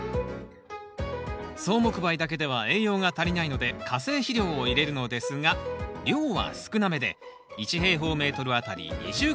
草木灰だけでは栄養が足りないので化成肥料を入れるのですが量は少なめで１あたり２０ｇ。